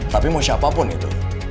tapi mau siapapun itu